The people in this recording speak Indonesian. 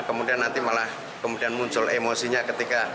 kemudian nanti malah kemudian muncul emosinya ketika